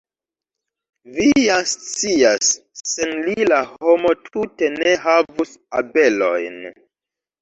Vi ja scias, sen li la homo tute ne havus abelojn.